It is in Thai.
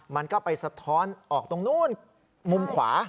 มันก็ไปสะท้อนออกตรงนู้นมุมขวา